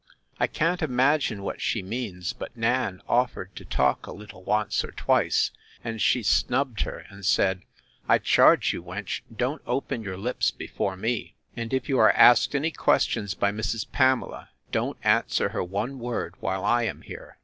I can't imagine what she means; but Nan offered to talk a little once or twice; and she snubbed her, and said, I charge you, wench, don't open your lips before me; and if you are asked any questions by Mrs. Pamela, don't answer her one word, while I am here!